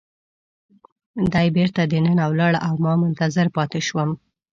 دی بیرته دننه ولاړ او ما منتظر پاتې شوم.